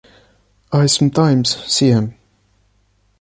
I sometimes see him.